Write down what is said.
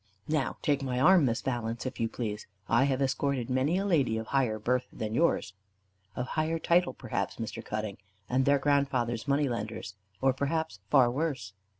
"Now take my arm, Miss Valence, if you please. I have escorted many a lady of higher birth than yours." "Of higher title perhaps, Mr. Cutting; and their grandfathers money lenders, or perhaps far worse."